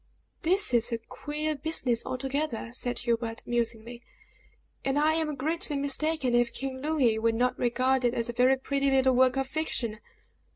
"This is a queer business altogether!" said Hubert, musingly; "and I am greatly mistaken if King Louis will not regard it as a very pretty little work of fiction."